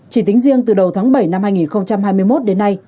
chỉ tính riêng từ đầu tháng bảy năm hai nghìn hai mươi một đến nay